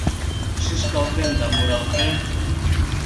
Шӱшкалтен да муралтен: